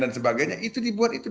dan sebagainya itu dibuat itu